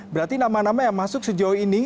berarti nama nama yang masuk sejauh ini